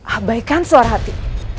abaikan suara hati